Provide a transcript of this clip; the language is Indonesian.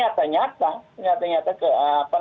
gak fair gitu kan